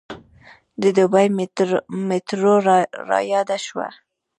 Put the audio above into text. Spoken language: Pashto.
د دبۍ میټرو رایاده شوه.